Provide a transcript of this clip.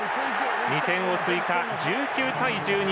２点を追加、１９対１２。